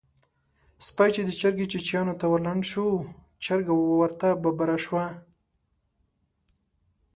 سپی چې د چرګې چیچيانو ته ورلنډ شو؛ چرګه ورته ببره شوه.